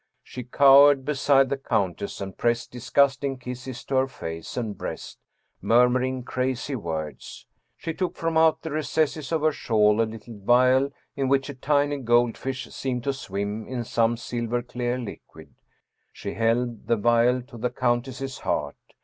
She cowered be side the countess and pressed disgusting kisses to her face and breast, murmuring crazy words. She took from out the recesses of her shawl a little vial in which a tiny gold fish seemed to swim in some silver clear liquid. She held the vial to the countess's heart.